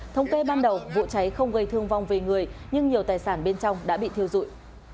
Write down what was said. thống kê ban đầu vụ cháy không gây thương vong về người nhưng nhiều tài sản bên trong đã bị thiêu dụi